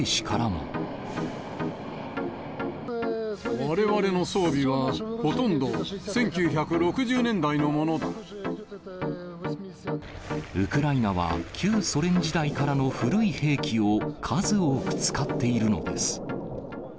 われわれの装備は、ほとんどウクライナは旧ソ連時代からの古い兵器を数多く使っているのです。